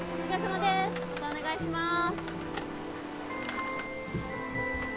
またお願いします。